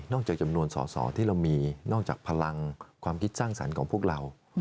จากจำนวนสอสอที่เรามีนอกจากพลังความคิดสร้างสรรค์ของพวกเรา